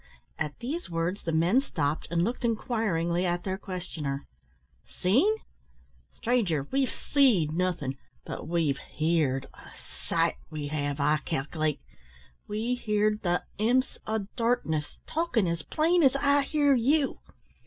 At these words the men stopped, and looked inquiringly at their questioner. "Seen! stranger, we've seed nothin', but we've hear'd a sight, we have, I calc'late. We hear'd the imps o' darkness talkin' as plain as I hear you.